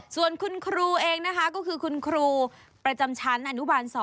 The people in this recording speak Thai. ส่วนคุณครูเองนะคะก็คือคุณครูประจำชั้นอนุบาล๒